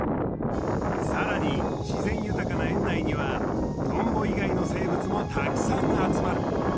更に自然豊かな園内にはトンボ以外の生物もたくさん集まる。